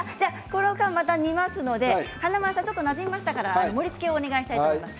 この間に煮ますので華丸さん、なじみましたら盛りつけをお願いします